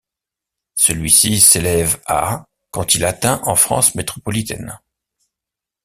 Celui-ci s'élève à quand il atteint en France métropolitaine.